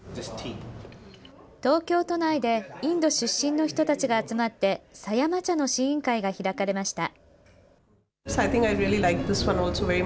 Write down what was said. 東京都内でインド出身の人たちが集まって、狭山茶の試飲会が開かれました。